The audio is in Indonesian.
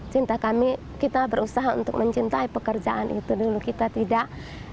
cinta kami kita berusaha untuk mencintai pekerjaan itu dulu kita tidak